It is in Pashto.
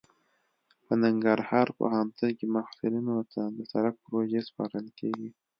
په ننګرهار پوهنتون کې محصلینو ته د سرک پروژې سپارل کیږي